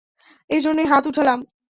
এজন্যই হাত উঠালাম।